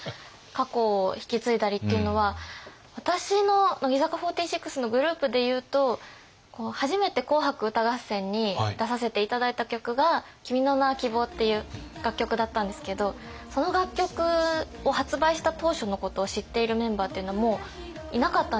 過去を引き継いだりっていうのは私の乃木坂４６のグループでいうと初めて「紅白歌合戦」に出させて頂いた曲が「君の名は希望」っていう楽曲だったんですけどその楽曲を発売した当初のことを知っているメンバーっていうのはもういなかったんですよ。